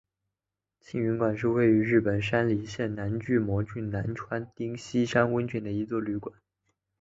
庆云馆是位于日本山梨县南巨摩郡早川町西山温泉的一座旅馆。